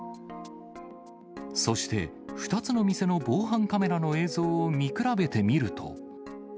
そして２つの店の防犯カメラの映像を見比べてみると。